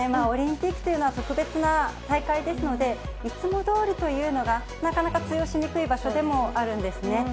オリンピックというのは特別な大会ですので、いつもどおりというのがなかなか通用しにくい場所でもあるんですね。